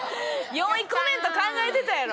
４位コメント考えてたやろ。